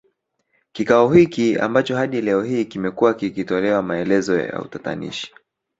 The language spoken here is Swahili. Kikao hiki ambacho hadi leo hii kimekuwa kikitolewa maelezo ya utatanishi